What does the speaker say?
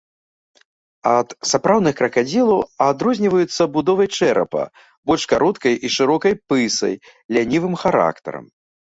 Ад сапраўдных кракадзілаў адрозніваюцца будовай чэрапа, больш кароткай і шырокай пысай, лянівым характарам.